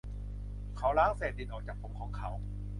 เขาล้างเศษดินออกจากผมของเขา